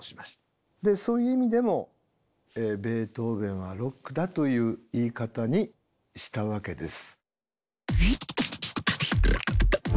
でそういう意味でも「ベートーヴェンはロックだ！」という言い方にしたわけです。